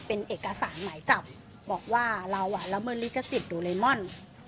เป็นเอกสารหมายจับบอกว่าเราละเมิดลิขสิทธิ์โดเรมอน